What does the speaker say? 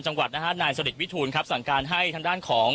จังหวัดนะฮะนายสนิทวิทูลครับสั่งการให้ทางด้านของ